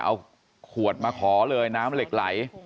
เอาขวดมาขอเลยน้ำเหล็กไหล